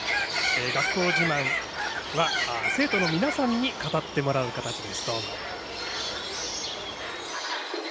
学校自慢は生徒の皆さんに語ってもらう形です。